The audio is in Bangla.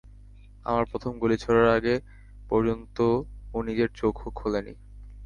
আমার প্রথম গুলি ছোঁড়ার আগে পর্যন্ত তো ও নিজের চোখও খোলেনি।